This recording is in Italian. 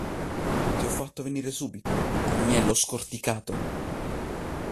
Ti ho fatto venire subito, agnello scorticato!